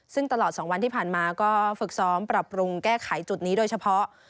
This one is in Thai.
ซึ่งตลอด๒วันที่ผ่านมาก็ฝึกซ้อมปรับปรุงแก้ไขจุดนี้โดยเฉพาะ